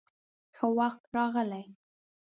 _ښه وخت راغلې.